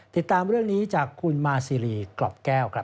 ติดตามเรื่องนี้จากคุณมาซีรีกรอบแก้วครับ